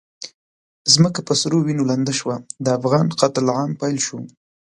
ځمکه په سرو وینو لنده شوه، د افغان قتل عام پیل شو.